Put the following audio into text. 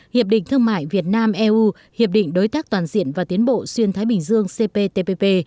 hiệp định thương mại việt nam eu hiệp định đối tác toàn diện và tiến bộ xuyên thái bình dương cptpp